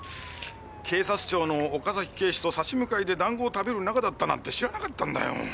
警察庁の岡崎警視と差し向かいで団子を食べる仲だったなんて知らなかったんだよ。